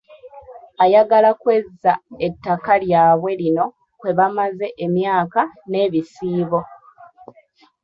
Ayagala okwezza ettaka lyabwe lino kwe bamaze emyaka n’ebisiibo.